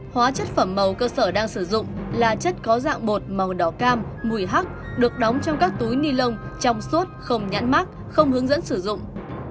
hóa chất phẩm màu cơ sở đang sử dụng là chất có dạng bột màu đỏ cam mùi hắc được đóng trong các túi ni lông trong suốt không nhãn mát không hướng dẫn sử dụng